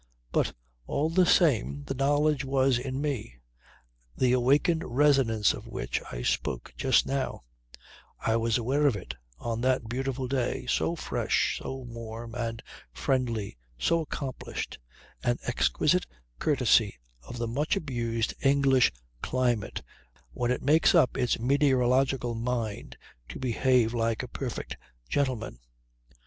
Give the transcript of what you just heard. But all the same the knowledge was in me, the awakened resonance of which I spoke just now; I was aware of it on that beautiful day, so fresh, so warm and friendly, so accomplished an exquisite courtesy of the much abused English climate when it makes up its meteorological mind to behave like a perfect gentleman.